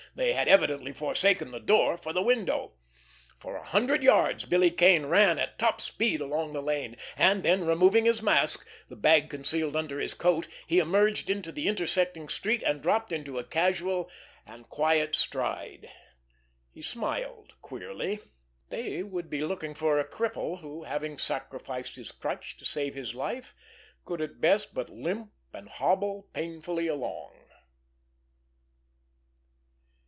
They had evidently forsaken the door for the window! For a hundred yards Billy Kane ran at top speed along the lane; and then, removing his mask, the bag concealed under his coat, he emerged into the intersecting street, and dropped into a casual and quiet stride. He smiled queerly. They would be looking for a cripple who, having sacrificed his crutch to save his life, could at best but limp and hobble painfully along!